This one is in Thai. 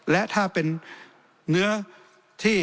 และถ้าเป็นเนื้อที่